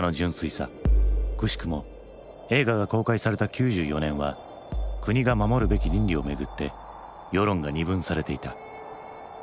くしくも映画が公開された９４年は国が守るべき倫理をめぐって世論が二分されていた。